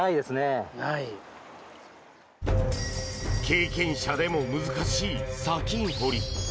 経験者でも難しい砂金掘り。